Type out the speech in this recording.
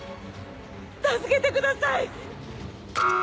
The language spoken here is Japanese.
助けてください！